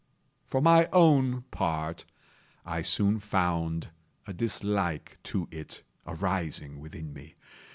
For my own part, I soon found a dislike to it arising within me.